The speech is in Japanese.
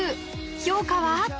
評価は？